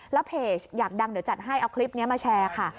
แล้วเพจอยากดังเดี๋ยวจัดให้เอาคลิปนี้มาแชร์ค่ะ